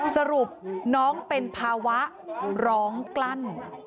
สรุปน้องเป็นภาวะร้องกลั้น